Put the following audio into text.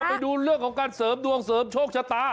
ไปดูเรื่องของการเสริมดวงเสริมโชคชะตา